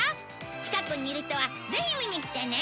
近くにいる人はぜひ見に来てね。